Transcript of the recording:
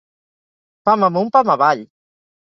Pam amunt, pam avall...